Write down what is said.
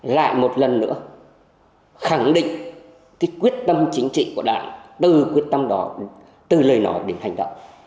lại một lần nữa khẳng định cái quyết tâm chính trị của đảng từ quyết tâm đó từ lời nói đến hành động